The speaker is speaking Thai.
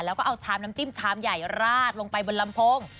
แล้วก็เอาชามน้ำจิ้มชามใหญ่ราดลงไปบนลำโพง